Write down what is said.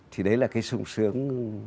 thì đấy là cái sung sướng